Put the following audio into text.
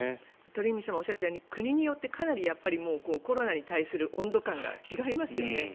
鳥海さんもおっしゃったように国によってコロナに対する温度感が違いますよね。